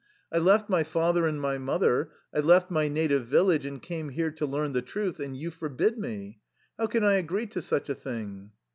"I left my father and my mother, I left my native village, and came here to learn the truth and you forbid me. How can I agree to such a thing?